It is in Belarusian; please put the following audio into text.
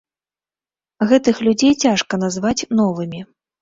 Гэтых людзей цяжка назваць новымі.